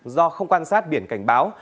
do không quan sát biển cảnh báo